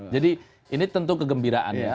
jadi ini tentu kegembiraan ya